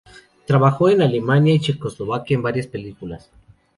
Trabajó en Alemania y Checoslovaquia en varias películas.